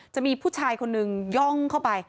จะมีผู้ชายคนนึงย่องเข้าไป